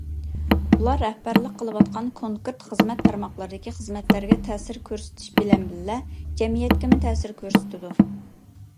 ئۇلار رەھبەرلىك قىلىۋاتقان كونكرېت خىزمەت تارماقلىرىدىكى خىزمەتلەرگە تەسىر كۆرسىتىش بىلەن بىللە، جەمئىيەتكىمۇ تەسىر كۆرسىتىدۇ.